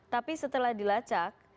tapi setelah dilacak